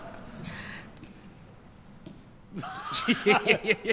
いやいやいやいや。